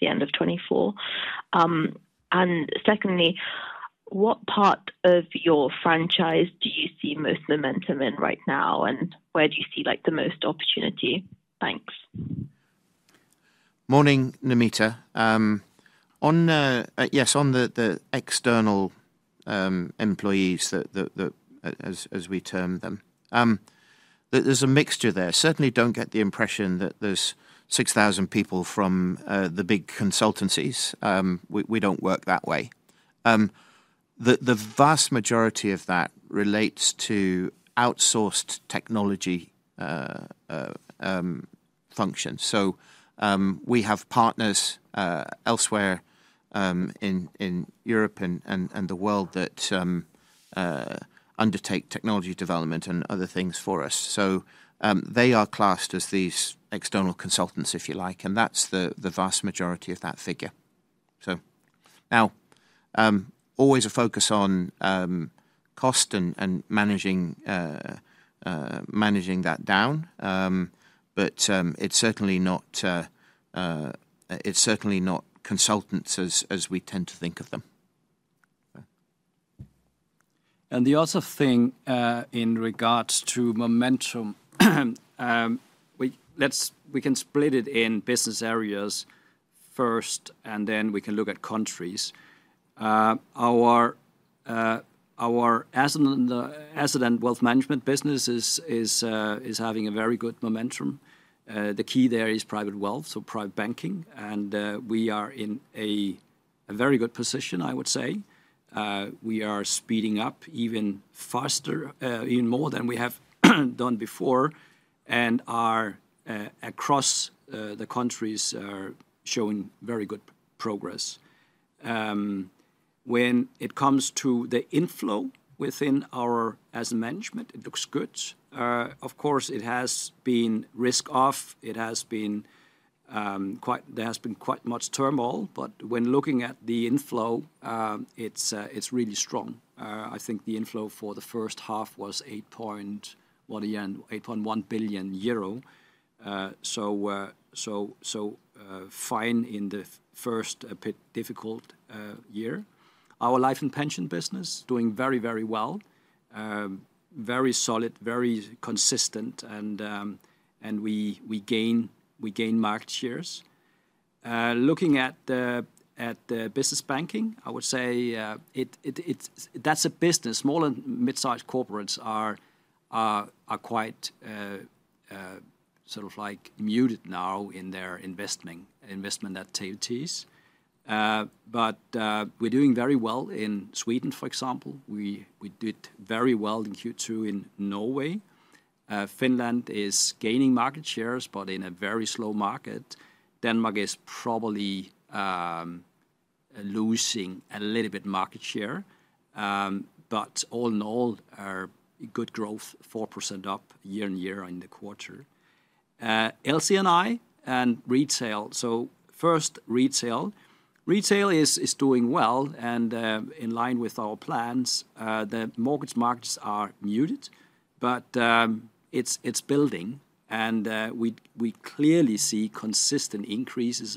the end of 2024. And secondly, what part of your franchise do you see most momentum in right now, and where do you see the most opportunity? Thanks. Morning, Namita. Yes, on the external employees, as we term them, there's a mixture there. Certainly, don't get the impression that there's 6,000 people from the big consultancies. We don't work that way. The vast majority of that relates to outsourced technology functions. So we have partners elsewhere in Europe and the world that undertake technology development and other things for us. So they are classed as these external consultants, if you like, and that's the vast majority of that figure. So now always a focus on cost and managing that down. But it's certainly not consultants as we tend to think of them. And the other thing in regards to momentum. We can split it in business areas first, and then we can look at countries. Our asset and wealth management business is having a very good momentum. The key there is private wealth, so private banking. And we are in a very good position, I would say. We are speeding up even faster, even more than we have done before, and across the countries are showing very good progress. When it comes to the inflow within our asset management, it looks good. Of course, it has been risk-off. There has been quite much turmoil, but when looking at the inflow, it's really strong. I think the inflow for the first half was 8.1 billion euro. So fine in the first bit difficult year. Our life and pension business is doing very, very well. Very solid, very consistent, and we gain market shares. Looking at the business banking, I would say that's a business. Small and mid-sized corporates are quite sort of muted now in their investment at TLTs. But we're doing very well in Sweden, for example. We did very well in Q2 in Norway. Finland is gaining market shares, but in a very slow market. Denmark is probably losing a little bit market share. But all in all, good growth, 4% up year-on-year in the quarter. LCNI and retail. So first, retail. Retail is doing well, and in line with our plans, the mortgage markets are muted, but it's building. And we clearly see consistent increases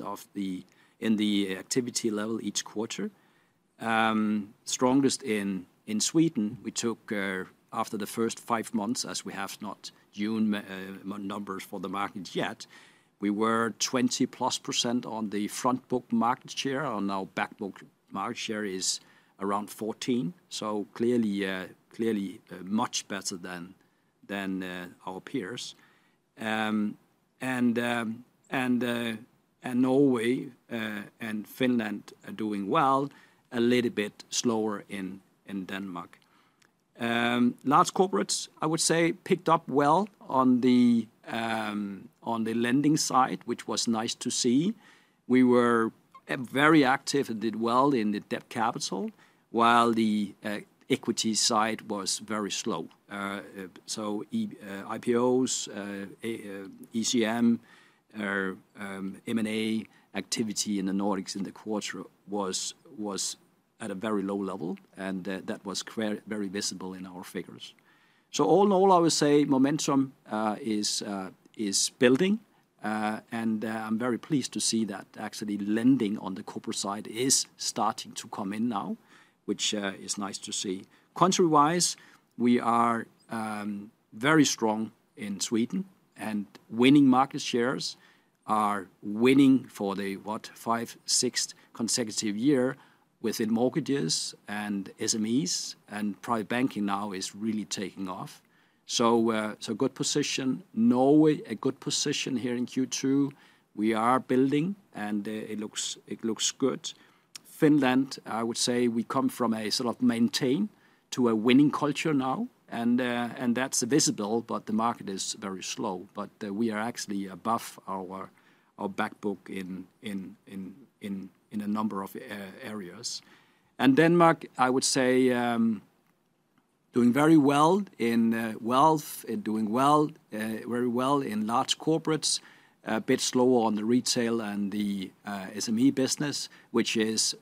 in the activity level each quarter. Strongest in Sweden, we took after the first five months, as we have not June numbers for the market yet. We were 20+ % on the front-book market share. Now, back-book market share is around 14%. So clearly much better than our peers. And Norway and Finland are doing well, a little bit slower in Denmark. Large corporates, I would say, picked up well on the lending side, which was nice to see. We were very active and did well in the debt capital, while the equity side was very slow. So IPOs, ECM, M&A activity in the Nordics in the quarter was at a very low level, and that was very visible in our figures. So all in all, I would say momentum is building. And I'm very pleased to see that actually lending on the corporate side is starting to come in now, which is nice to see. Country-wise, we are very strong in Sweden, and winning market shares are winning for the, what, fifth, sixth consecutive year within mortgages and SMEs, and private banking now is really taking off. So good position. Norway, a good position here in Q2. We are building, and it looks good. Finland, I would say we come from a sort of maintain to a winning culture now, and that's visible, but the market is very slow. But we are actually above our back-book in a number of areas. And Denmark, I would say. Doing very well in wealth, doing very well in large corporates, a bit slower on the retail and the SME business, which is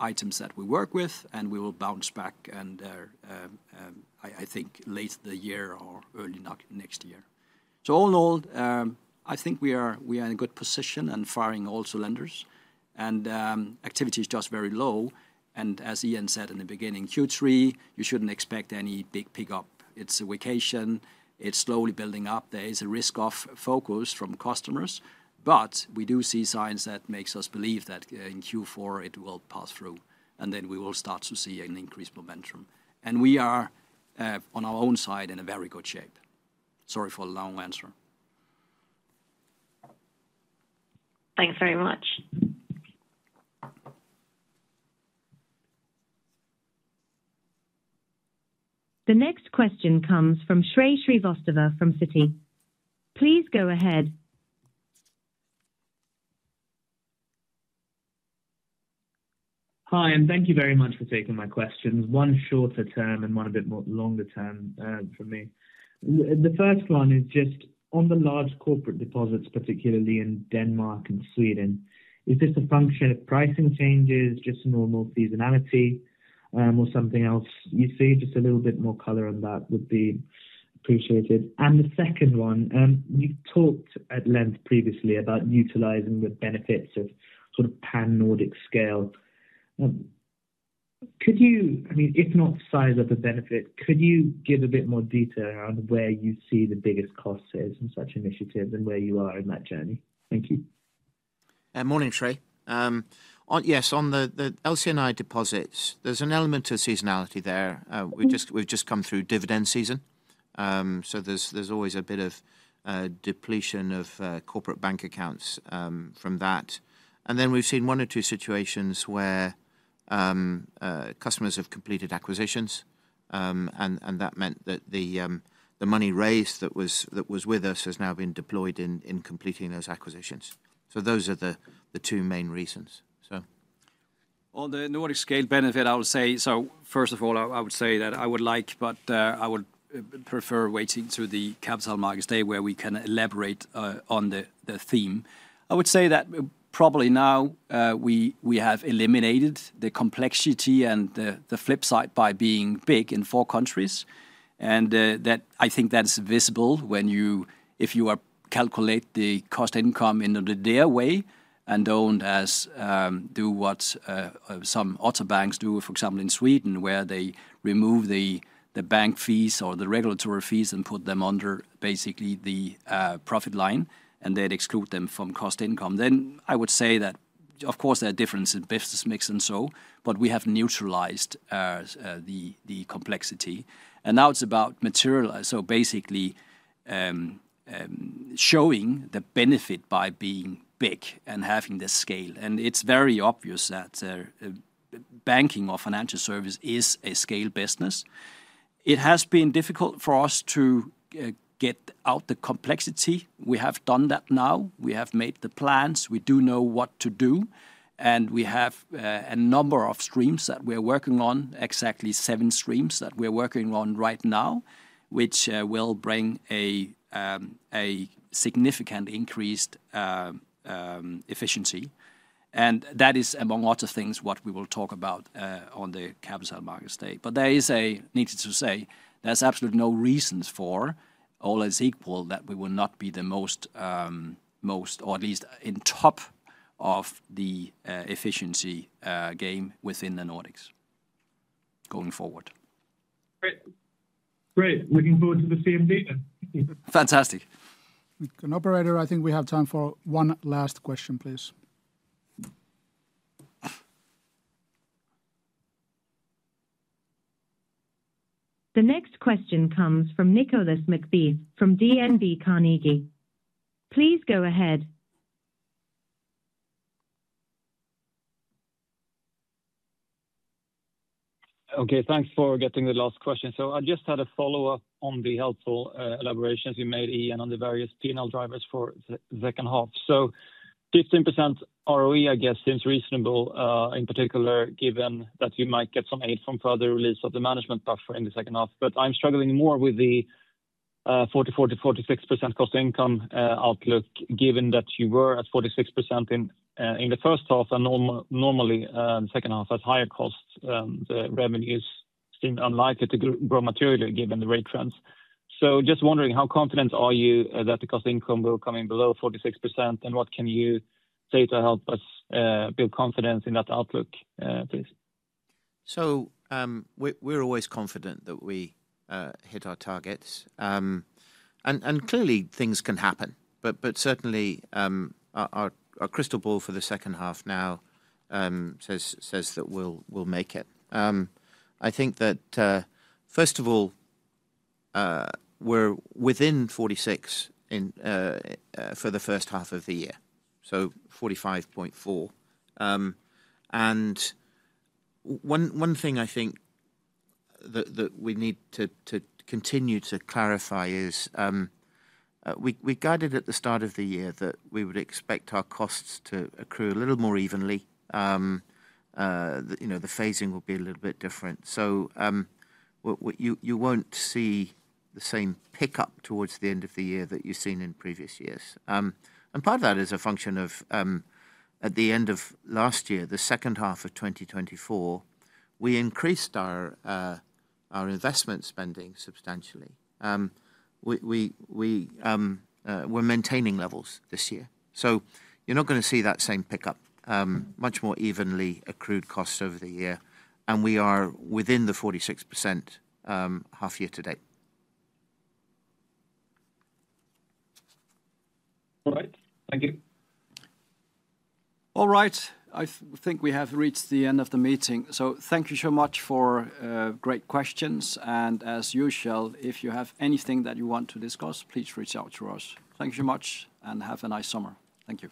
items that we work with, and we will bounce back. I think late this year or early next year. So all in all, I think we are in a good position and firing on all cylinders. And activity is just very low. And as Ian said in the beginning, Q3, you shouldn't expect any big pickup. It's a vacation. It's slowly building up. There is a risk-off focus from customers. But we do see signs that make us believe that in Q4 it will pass through, and then we will start to see an increased momentum. And we are, on our own side, in a very good shape. Sorry for a long answer. Thanks very much. The next question comes from Shrey Srivastava from Citi. Please go ahead. Hi, and thank you very much for taking my questions. One shorter term and one a bit more longer term for me. The first one is just on the large corporate deposits, particularly in Denmark and Sweden. Is this a function of pricing changes, just normal seasonality, or something else? You see, just a little bit more color on that would be appreciated. And the second one, you've talked at length previously about utilizing the benefits of sort of pan-Nordic scale. I mean, if not size of the benefit, could you give a bit more detail around where you see the biggest cost saves in such initiatives and where you are in that journey? Thank you. Morning, Shrey. Yes, on the LCNI deposits, there's an element of seasonality there. We've just come through dividend season. So there's always a bit of depletion of corporate bank accounts from that. And then we've seen one or two situations where customers have completed acquisitions. And that meant that the money raised that was with us has now been deployed in completing those acquisitions. So those are the two main reasons. On the Nordic scale benefit, I would say, so first of all, I would say that I would like, but I would prefer waiting to the Capital Markets Day where we can elaborate on the theme. I would say that probably now we have eliminated the complexity and the flip side by being big in four countries. And I think that's visible if you calculate the cost income in the Dane way and don't do what some other banks do, for example, in Sweden, where they remove the bank fees or the regulatory fees and put them under basically the profit line and then exclude them from cost income. Then I would say that, of course, there are differences in business mix and so, but we have neutralized the complexity. And now it's about materializing, so basically showing the benefit by being big and having this scale. And it's very obvious that banking or financial service is a scale business. It has been difficult for us to get out the complexity. We have done that now. We have made the plans. We do know what to do. And we have a number of streams that we are working on, exactly seven streams that we are working on right now, which will bring a significant increased efficiency. And that is, among other things, what we will talk about on the Capital Markets Day. But needless to say, there's absolutely no reasons for all as equal that we will not be the most or at least in top of the efficiency game within the Nordics going forward. Great. Looking forward to the CMD then. Fantastic. An operator, I think we have time for one last question, please. The next question comes from Nicolas McBeath from DNB Carnegie. Please go ahead. Okay, thanks for getting the last question. So I just had a follow-up on the helpful elaborations you made, Ian, on the various P&L drivers for the second half. So 15% ROE, I guess, seems reasonable, in particular given that you might get some aid from further release of the management buffer in the second half. But I'm struggling more with the 44%-46% cost income outlook, given that you were at 46% in the first half and normally the second half has higher costs. The revenues seem unlikely to grow materially given the rate trends. So just wondering, how confident are you that the cost income will come in below 46%? And what can you say to help us build confidence in that outlook, please? So we're always confident that we hit our targets. And clearly, things can happen. But certainly our crystal ball for the second half now says that we'll make it. I think that first of all we're within 46% for the first half of the year, so 45.4%. And one thing I think that we need to continue to clarify is we guided at the start of the year that we would expect our costs to accrue a little more evenly. The phasing will be a little bit different. So you won't see the same pickup towards the end of the year that you've seen in previous years. And part of that is a function of at the end of last year, the second half of 2024, we increased our investment spending substantially. We're maintaining levels this year. So you're not going to see that same pickup, much more evenly accrued costs over the year. And we are within the 46% half year today. All right. Thank you. All right. I think we have reached the end of the meeting. So thank you so much for great questions. And as usual, if you have anything that you want to discuss, please reach out to us. Thank you so much and have a nice summer. Thank you.